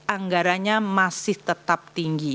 anggarannya masih tetap tinggi